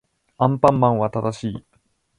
アンパンマンは正しい